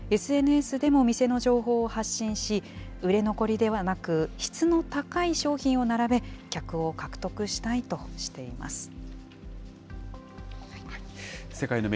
ＳＮＳでも店の情報を発信し、売れ残りではなく、質の高い商品を並べ、客を獲得したいとしています。